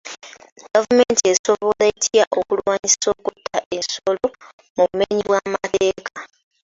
Gavumenti esobola etya okulwanyisa okutta ensolo mu bumenyi bw'amateeka?